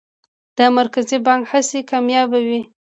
د مرکزي بانک هڅې کامیابه وې؟